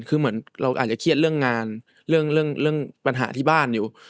คือเหมือนเราอาจจะเครียดเรื่องงานเรื่องปัญหาที่บ้านอยู่